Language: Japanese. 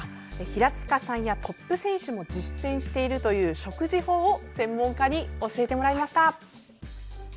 平塚さんやトップ選手も実践しているという食事法を専門家に教えてもらいました。